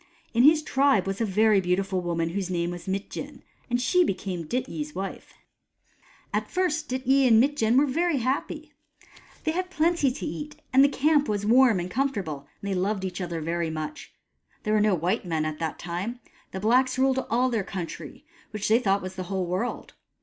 In his tribe was a very beautiful woman whose name was Mitjen ; and she became Dityi 's wife. 107 io8 HOW LIGHT CAME At first Dityi and Mitjen were very happy. They had plenty to eat, and the camp was warm and comfortable, and they loved each other very much. There were no white men, at that time : the blacks ruled all their country, which they thought was the whole world.